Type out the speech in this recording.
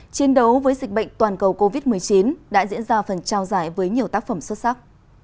chiến đấu với dịch bệnh toàn cầu covid một mươi chín đã diễn ra phần trao giải với nhiều tác phẩm xuất sắc